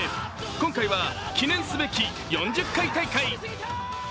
今回は記念すべき４０回大会。